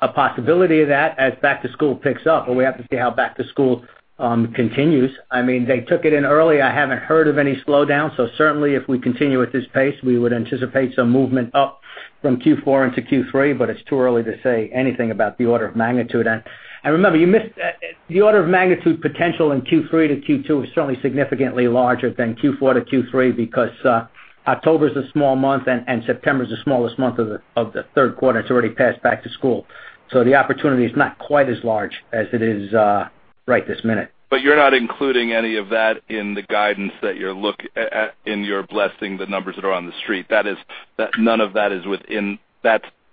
a possibility of that as back to school picks up, we have to see how back to school continues. They took it in early. I haven't heard of any slowdown. Certainly, if we continue at this pace, we would anticipate some movement up from Q4 into Q3, but it's too early to say anything about the order of magnitude. Remember, the order of magnitude potential in Q3 to Q2 is certainly significantly larger than Q4 to Q3 because October's a small month and September's the smallest month of the third quarter. It's already past back to school. The opportunity is not quite as large as it is right this minute. You're not including any of that in your blessing the numbers that are on the street.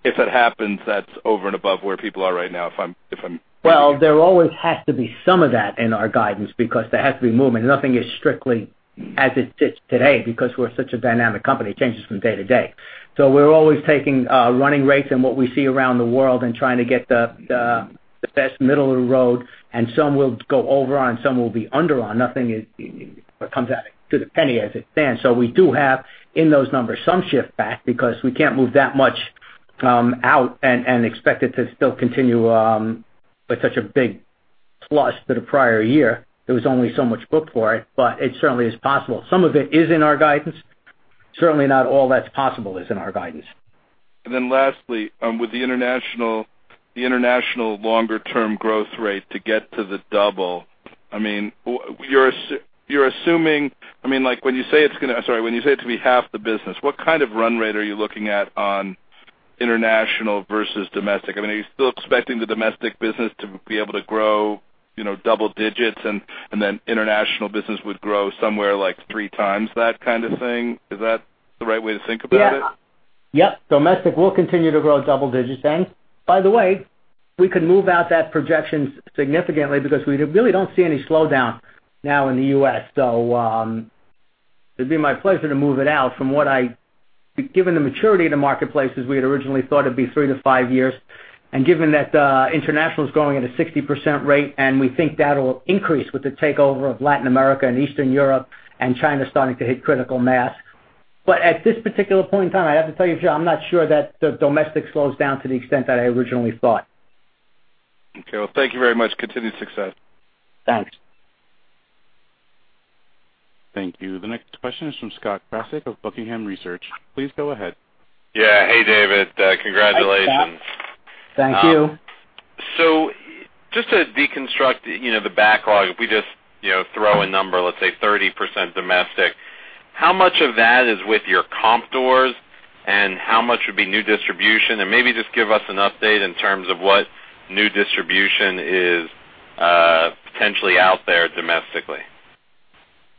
If it happens, that's over and above where people are right now, if I'm thinking. Well, there always has to be some of that in our guidance because there has to be movement. Nothing is strictly as it sits today because we're such a dynamic company. It changes from day to day. We're always taking running rates and what we see around the world and trying to get the best middle of the road, and some will go over on, some will be under on. Nothing comes out to the penny as it stands. We do have, in those numbers, some shift back because we can't move that much out and expect it to still continue with such a big plus to the prior year. There was only so much booked for it, but it certainly is possible. Some of it is in our guidance. Certainly not all that's possible is in our guidance. Lastly, with the international longer-term growth rate to get to the double, when you say it's going to be half the business, what kind of run rate are you looking at on international versus domestic? Are you still expecting the domestic business to be able to grow double digits and then international business would grow somewhere like three times that kind of thing? Is that the right way to think about it? Yep. Domestic will continue to grow double digits. By the way, we could move out that projection significantly because we really don't see any slowdown now in the U.S. It'd be my pleasure to move it out from what I given the maturity of the marketplace as we had originally thought it'd be three to five years, and given that international is growing at a 60% rate, and we think that'll increase with the takeover of Latin America and Eastern Europe and China starting to hit critical mass. At this particular point in time, I have to tell you, Joe, I'm not sure that the domestic slows down to the extent that I originally thought. Okay. Well, thank you very much. Continued success. Thanks. Thank you. The next question is from Scott Cassell of Buckingham Research. Please go ahead. Yeah. Hey, David. Congratulations. Thank you. Just to deconstruct the backlog, if we just throw a number, let's say 30% domestic, how much of that is with your comp doors and how much would be new distribution? Maybe just give us an update in terms of what new distribution is potentially out there domestically.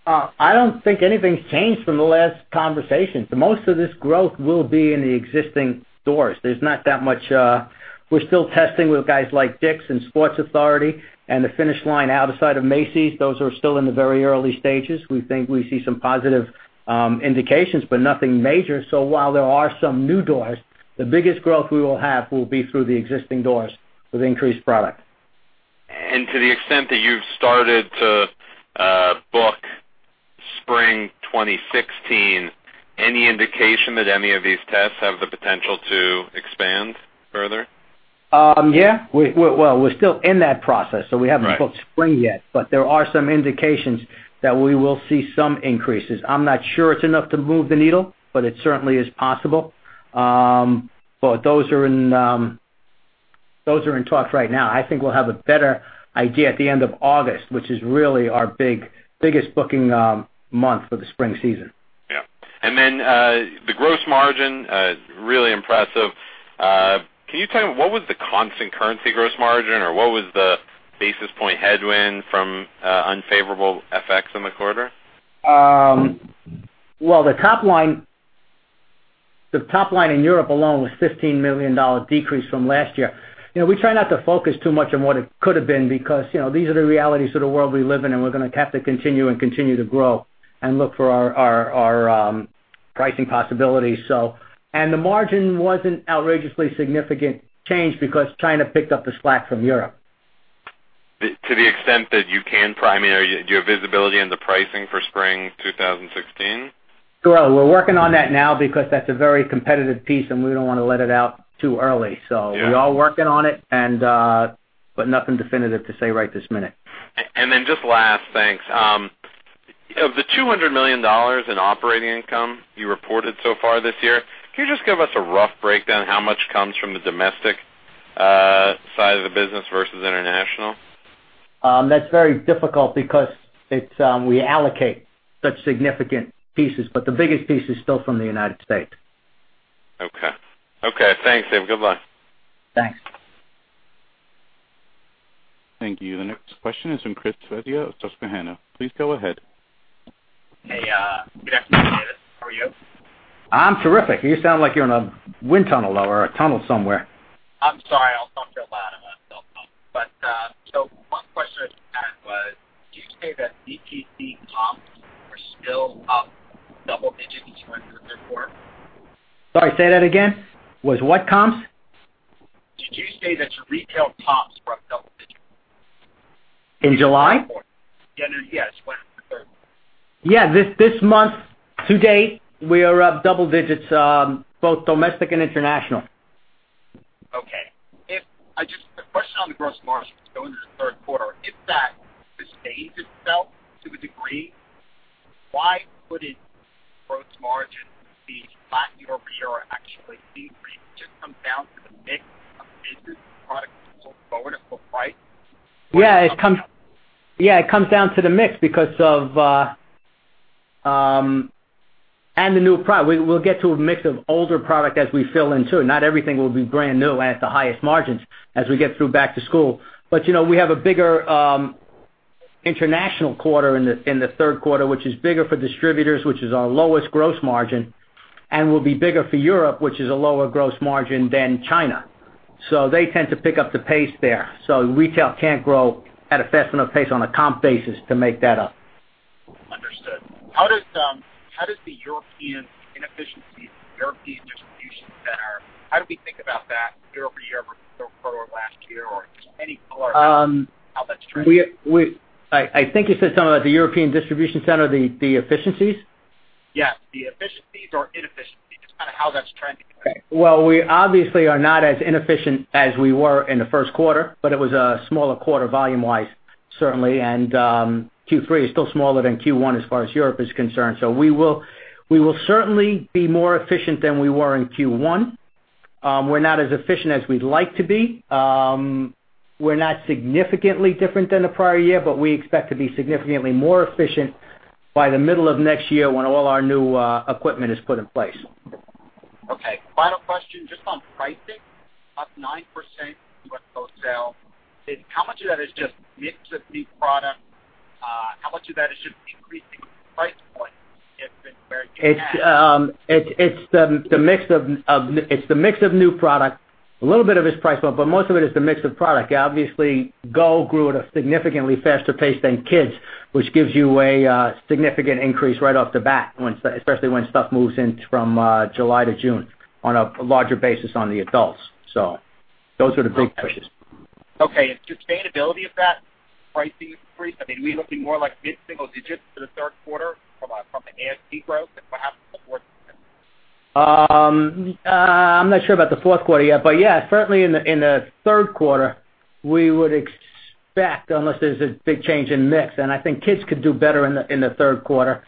I don't think anything's changed from the last conversation. Most of this growth will be in the existing stores. We're still testing with guys like Dick's and Sports Authority and the Finish Line outside of Macy's. Those are still in the very early stages. We think we see some positive indications, but nothing major. While there are some new doors, the biggest growth we will have will be through the existing doors with increased product. To the extent that you've started to book spring 2016, any indication that any of these tests have the potential to expand further? We're still in that process, we haven't booked spring yet, there are some indications that we will see some increases. I'm not sure it's enough to move the needle, but it certainly is possible. Those are in talks right now. I think we'll have a better idea at the end of August, which is really our biggest booking month for the spring season. The gross margin, really impressive. Can you tell me what was the constant currency gross margin or what was the basis point headwind from unfavorable FX in the quarter? The top line in Europe alone was $15 million decrease from last year. We try not to focus too much on what it could have been because these are the realities of the world we live in, we're going to have to continue to grow and look for our pricing possibilities. The margin wasn't outrageously significant change because China picked up the slack from Europe. To the extent that you can, do you have visibility into pricing for spring 2016? Sure. We're working on that now because that's a very competitive piece, and we don't want to let it out too early. Yeah. We are working on it, but nothing definitive to say right this minute. Just last, thanks. Of the $200 million in operating income you reported so far this year, can you just give us a rough breakdown how much comes from the domestic side of the business versus international? That's very difficult because we allocate such significant pieces, but the biggest piece is still from the United States. Okay. Thanks, David. Goodbye. Thanks. Thank you. The next question is from Chris Svezia of Susquehanna. Please go ahead. Hey, good afternoon, David. How are you? I'm terrific. You sound like you're in a wind tunnel or a tunnel somewhere. I'm sorry. I'll talk to the bottom of that cell phone. One question I just had was, did you say that DTC comps were still up double digits in Q3? Sorry, say that again. Was what comps? Did you say that your retail comps were up double digits? In July? Yes, went into the third. This month to date, we are up double digits, both domestic and international. A question on the gross margin going into the third quarter, if that sustains itself to a degree, why wouldn't gross margin be flat year-over-year or actually be brief? Just comes down to the mix of business product going forward at full price. It comes down to the mix and the new product. We'll get to a mix of older product as we fill in too. Not everything will be brand new at the highest margins as we get through back to school. We have a bigger international quarter in the third quarter, which is bigger for distributors, which is our lowest gross margin, and will be bigger for Europe, which is a lower gross margin than China. They tend to pick up the pace there. Retail can't grow at a fast enough pace on a comp basis to make that up. Understood. How does the European inefficiencies, European distribution center, how do we think about that year-over-year versus the quarter of last year or any color how that's trending? I think you said something about the European distribution center, the efficiencies? Yes, the efficiencies or inefficiencies, kind of how that's trending. Okay. Well, we obviously are not as inefficient as we were in the first quarter, but it was a smaller quarter volume-wise, certainly. Q3 is still smaller than Q1 as far as Europe is concerned. We will certainly be more efficient than we were in Q1. We're not as efficient as we'd like to be. We're not significantly different than the prior year, but we expect to be significantly more efficient by the middle of next year when all our new equipment is put in place. Okay. Final question, just on pricing, up 9% with wholesale. How much of that is just mix of new product? How much of that is just increasing price points, if it's where it can add? It's the mix of new product. A little bit of it is price point, but most of it is the mix of product. Obviously, Go grew at a significantly faster pace than Kids, which gives you a significant increase right off the bat, especially when stuff moves in from July to June on a larger basis on the adults. Those are the big pushes. Okay. Sustainability of that pricing increase, are we looking more like mid-single digits for the third quarter from the ASP growth and perhaps the fourth quarter? I'm not sure about the fourth quarter yet. Yeah, certainly in the third quarter, we would expect, unless there's a big change in mix, and I think Kids could do better in the third quarter.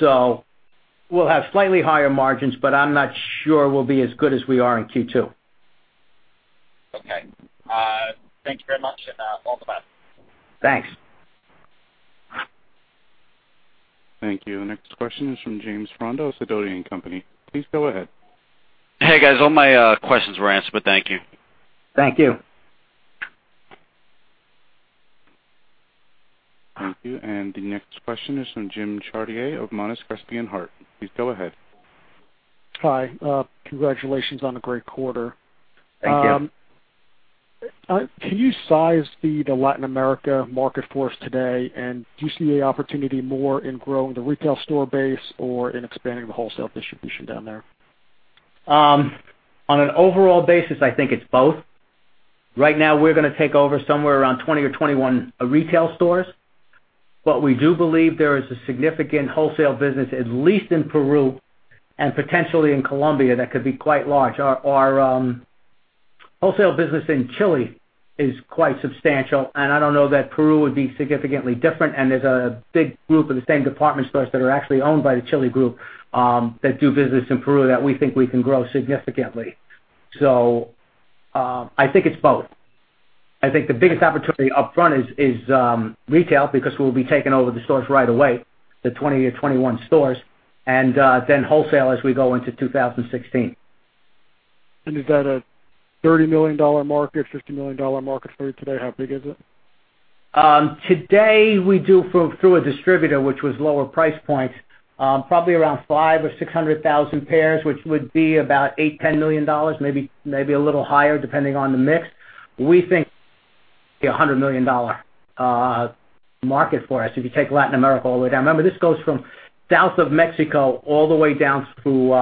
We'll have slightly higher margins, but I'm not sure we'll be as good as we are in Q2. Okay. Thank you very much. All the best. Thanks. Thank you. The next question is from James Rondo, Sidoti & Company. Please go ahead. Hey, guys. All my questions were answered. Thank you. Thank you. Thank you. The next question is from Jim Chartier of Monness, Crespi & Hardt. Please go ahead. Hi. Congratulations on a great quarter. Thank you. Can you size the Latin America market for us today? Do you see the opportunity more in growing the retail store base or in expanding the wholesale distribution down there? On an overall basis, I think it's both. Right now, we're going to take over somewhere around 20 or 21 retail stores. We do believe there is a significant wholesale business, at least in Peru and potentially in Colombia, that could be quite large. Our wholesale business in Chile is quite substantial, I don't know that Peru would be significantly different. There's a big group of the same department stores that are actually owned by the Chile group that do business in Peru that we think we can grow significantly. I think it's both. I think the biggest opportunity up front is retail because we'll be taking over the stores right away, the 20 or 21 stores, then wholesale as we go into 2016. Is that a $30 million market, $50 million market for you today? How big is it? Today, we do through a distributor, which was lower price points, probably around 500,000 or 600,000 pairs, which would be about $8 million, $10 million, maybe a little higher, depending on the mix. We think it's a $100 million market for us if you take Latin America all the way down. Remember, this goes from south of Mexico all the way down through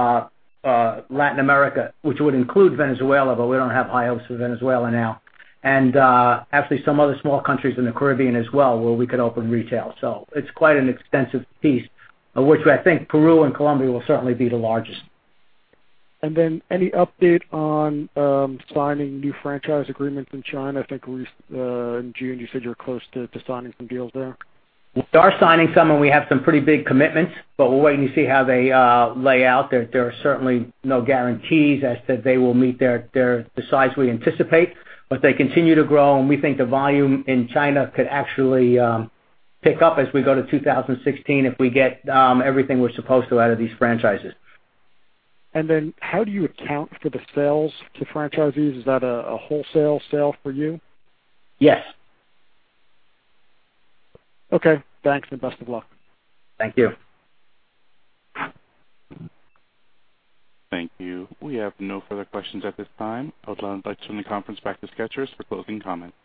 Latin America, which would include Venezuela, but we don't have high hopes for Venezuela now. Actually, some other small countries in the Caribbean as well, where we could open retail. It's quite an extensive piece, of which I think Peru and Colombia will certainly be the largest. Any update on signing new franchise agreements in China? I think in June, you said you were close to signing some deals there. We are signing some, and we have some pretty big commitments, but we're waiting to see how they lay out. There are certainly no guarantees as to they will meet the size we anticipate, but they continue to grow, and we think the volume in China could actually pick up as we go to 2016 if we get everything we're supposed to out of these franchises. Then how do you account for the sales to franchisees? Is that a wholesale sale for you? Yes. Okay, thanks and best of luck. Thank you. Thank you. We have no further questions at this time. I would like to turn the conference back to Skechers for closing comments.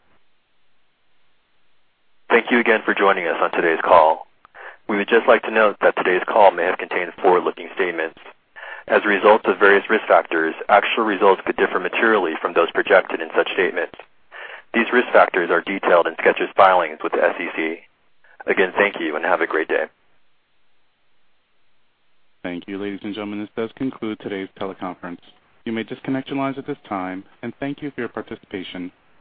Thank you again for joining us on today's call. We would just like to note that today's call may have contained forward-looking statements. As a result of various risk factors, actual results could differ materially from those projected in such statements. These risk factors are detailed in Skechers' filings with the SEC. Again, thank you and have a great day. Thank you, ladies and gentlemen. This does conclude today's teleconference. You may disconnect your lines at this time, and thank you for your participation.